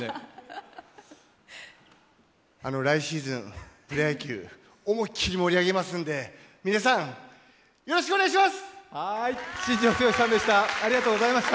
来シーズン、プロ野球を思いっきり盛り上げますので皆さん、よろしくお願いします！